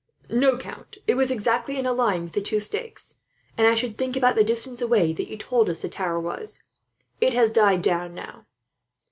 "No, count, it was exactly in a line with the two stakes and, I should think, about the distance away that you told us the tower was. It has died down now."